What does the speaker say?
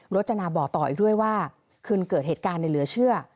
จนาบอกต่ออีกด้วยว่าคืนเกิดเหตุการณ์ในเหลือเชื่อ